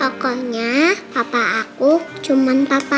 pokoknya papa aku cuman papa al